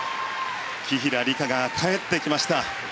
紀平梨花が帰ってきました。